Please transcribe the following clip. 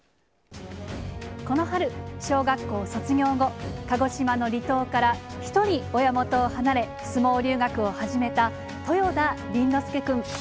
この春、小学校卒業後、鹿児島の離島から一人、親元を離れ、相撲留学を始めた豊田倫之亮君。